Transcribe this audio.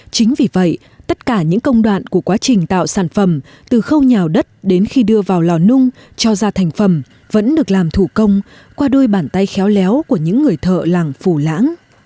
chính vì vậy tất cả những công đoạn của quá trình tạo sản phẩm từ khâu nhào đất đến khi đưa vào lò nung cho ra thành phẩm vẫn được làm thủ công qua đôi bàn tay khéo léo của những người thợ làng phù lãng